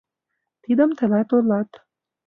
— Тидым тылат ойлат.